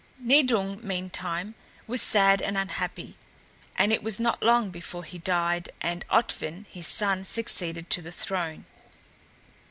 Nidung, meantime, was sad and unhappy, and it was not long before he died and Otvin, his son, succeeded to the throne.